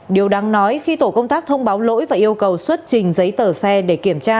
điều đáng nói khi tổ công tác thông báo lỗi và yêu cầu xuất trình giấy tờ xe để kiểm tra